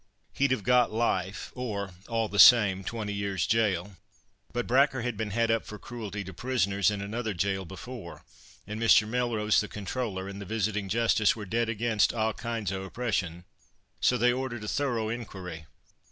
"He'd have got 'life,' or all the same twenty years' gaol; but Bracker had been had up for cruelty to prisoners in another gaol before, and Mr. Melrose the Comptroller and the Visiting Justice were dead against a' kinds o' oppression, so they ordered a thorough inquiry.